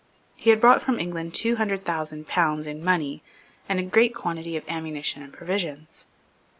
He had brought from England two hundred thousand pounds in money and a great quantity of ammunition and provisions.